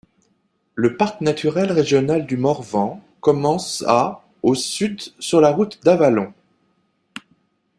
Le parc naturel régional du Morvan commence à au sud sur la route d'Avallon.